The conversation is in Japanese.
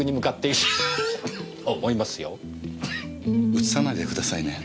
うつさないでくださいね。